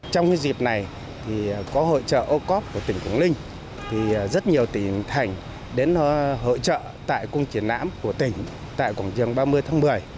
trong dịp này có hội trợ ô cóp của tỉnh quảng ninh rất nhiều tỉnh thành đến hội trợ tại cung chiến nãm của tỉnh tại quảng trường ba mươi tháng một mươi